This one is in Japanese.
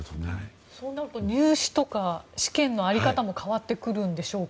そうなると入試とか試験の在り方も変わってきますか？